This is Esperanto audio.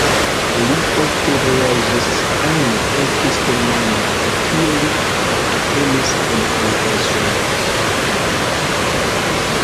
Li ofte vojaĝis al eksterlando, kie li partoprenis en kongresoj.